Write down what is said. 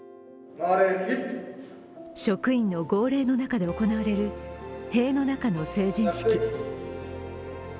職員の号令の中で行われる塀の中の成人式。